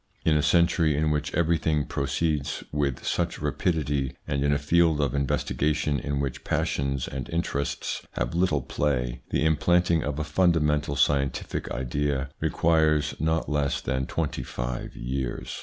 In a century in which everything proceeds with such rapidity, and in a field of investigation in which passions and interests have little play, the implanting of a fundamental scientific idea requires not less than twenty five years.